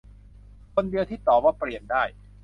คนเดียวที่ตอบว่าเปลี่ยนได้